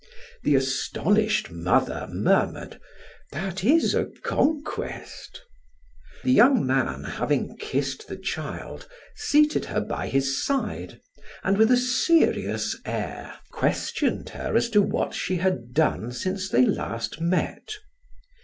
The astonished mother murmured: "That is a conquest." The young man, having kissed the child, seated her by his side, and with a serious air questioned her as to what she had done since they last met.